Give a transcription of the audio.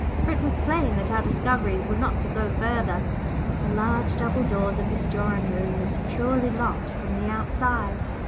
For it was plain that our discoveries were not to go further the large double doors of this drawing room were securely locked from the outside.